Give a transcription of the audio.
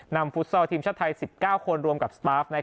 ฟุตซอลทีมชาติไทย๑๙คนรวมกับสตาฟ